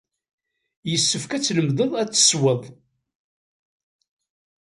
Yessefk ad tlemded ad tessewwed.